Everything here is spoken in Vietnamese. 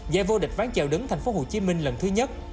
giải vô địch ván chèo đứng thành phố hồ chí minh lần thứ nhất